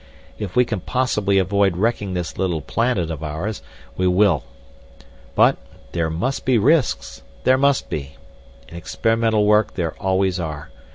If we can possibly avoid wrecking this little planet of ours, we will. But—there must be risks! There must be. In experimental work there always are.